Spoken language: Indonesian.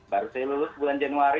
baru saya lulus bulan januari